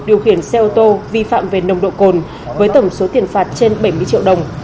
điều khiển xe ô tô vi phạm về nồng độ cồn với tổng số tiền phạt trên bảy mươi triệu đồng